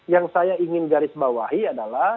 yang saya ingin garis bawahi adalah